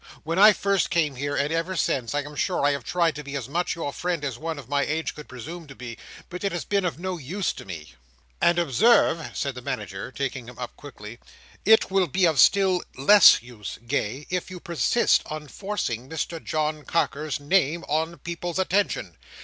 When I first came here, and ever since, I am sure I have tried to be as much your friend, as one of my age could presume to be; but it has been of no use. "And observe," said the Manager, taking him up quickly, "it will be of still less use, Gay, if you persist in forcing Mr John Carker's name on people's attention.